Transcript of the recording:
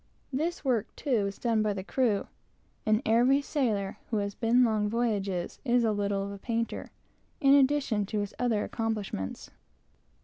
This work, too, is done by the crew, and every sailor who has been long voyages is a little of a painter, in addition to his other accomplishments.